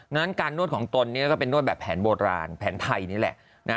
นั้นการนวดของตนนี้เป็นแผนโบราณแผนไทยนี่แหละ